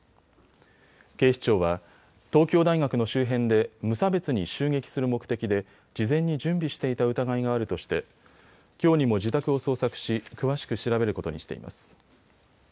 警視庁は東京大学の周辺で無差別に襲撃する目的で事前に準備していた疑いがあるとしてきょうにも自宅を捜索し詳しく調べることにしています。